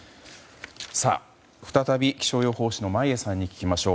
再び気象予報士の眞家さんに聞きましょう。